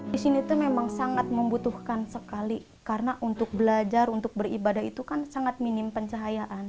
di sini itu memang sangat membutuhkan sekali karena untuk belajar untuk beribadah itu kan sangat minim pencahayaan